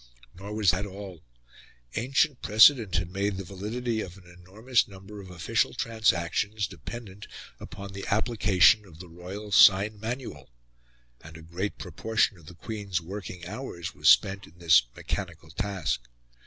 Nor was that all; ancient precedent had made the validity of an enormous number of official transactions dependent upon the application of the royal sign manual; and a great proportion of the Queen's working hours was spent in this mechanical task.